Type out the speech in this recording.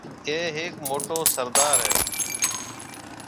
اَي هيڪ موٽو سردار هيَ۔